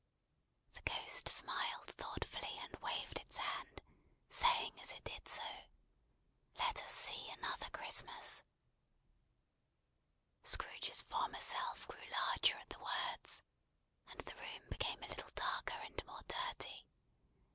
The Ghost smiled thoughtfully, and waved its hand: saying as it did so, "Let us see another Christmas!" Scrooge's former self grew larger at the words, and the room became a little darker and more dirty.